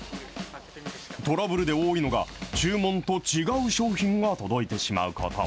トラブルで多いのが、注文と違う商品が届いてしまうこと。